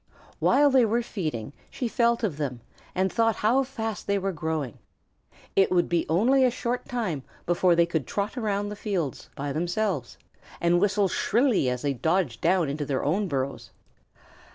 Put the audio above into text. While they were feeding she felt of them, and thought how fast they were growing. It would be only a short time before they could trot around the fields by themselves and whistle shrilly as they dodged down into their own burrows.